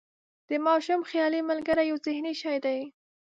د ماشوم خیالي ملګری یو ذهني شی دی.